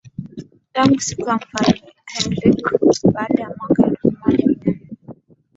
tangu siku za mfalme Henriq baada ya mwaka elfu moja mia nne